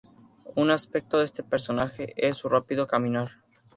Un aspecto de este personaje es su rápido caminar.